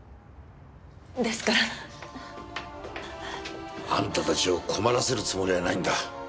ですから！あんたたちを困らせるつもりはないんだ。